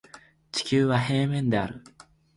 地球は平面である